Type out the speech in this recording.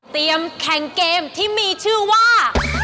เตรียมแข่งเกมที่มีชื่อว่า